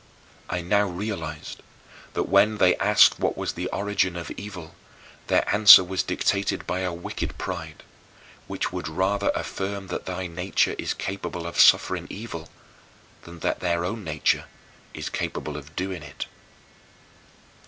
I now realized that when they asked what was the origin of evil their answer was dictated by a wicked pride, which would rather affirm that thy nature is capable of suffering evil than that their own nature is capable of doing it.